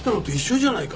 じゃないか！？